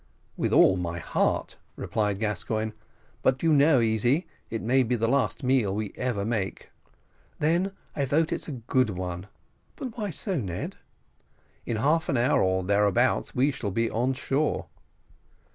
"With all my heart," replied Gascoigne; "but, do you know, Easy, it may be the last meal we ever make." "Then I vote it's a good one but why so, Ned?" "In half an hour, or thereabouts, we shall be on shore."